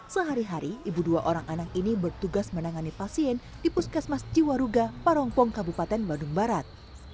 sehari hari ibu dua orang anak ini bertugas menangani pasien di puskesmas jiwaruga parongpong kabupaten bandung barat